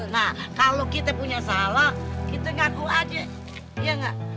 nah kalau kita punya salah kita ngaku aja iya enggak